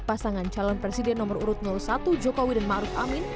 pasangan calon presiden nomor urut satu jokowi dan maruf amin